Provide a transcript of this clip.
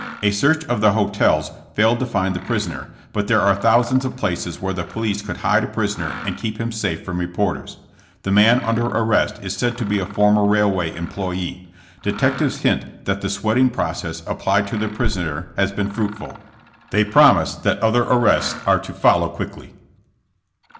A search of the hotels failed to find the prisoner, but there are thousands of places where the police could hide a prisoner and keep him safe from report ers. The man under arrest is said to be a former railway employee. Detectives hint that the sweating process applied to the prisoner has been fruitful. They promise that other arrepts are to follow quickly.